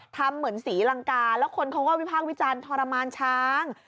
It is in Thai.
ทำเหมือนศรีรังกาแล้วคนเขาว่าวิภาควิจันทรมานช้าง